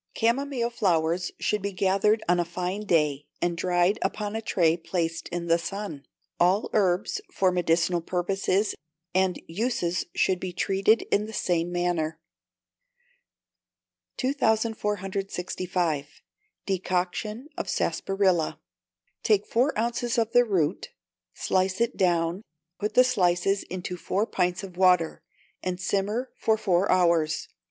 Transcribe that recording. Camomile flowers should be gathered on a fine day, and dried upon a tray placed in the sun. All herbs for medicinal purposes and uses should be treated in the same manner. 2465. Decoction of Sarsaparilla. Take four ounces of the root, slice it down, put the slices into four pints of water, and simmer for four hours.